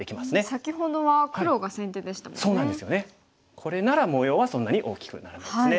これなら模様はそんなに大きくならないですね。